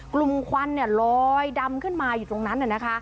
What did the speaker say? ควันลอยดำขึ้นมาอยู่ตรงนั้น